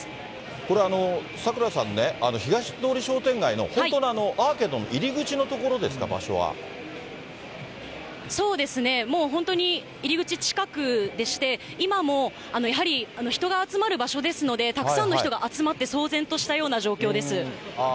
これ、櫻さんね、東通商店街の、本当にアーケードの入り口の所ですか、そうですね、もう本当に入り口近くでして、今もやはり人が集まる場所ですので、たくさんの人が集まって、騒然としたような状況です。